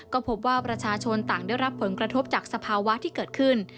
ก็พบว่าประชาชนต่างได้รับผลกระทบจากสภาวะที่เกิดขึ้น